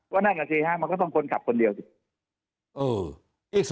นั่นแหละสิฮะมันก็ต้องคนขับคนเดียวสิ